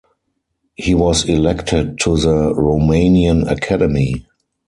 He was elected to the Romanian Academy.